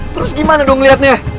terus gimana dong liatnya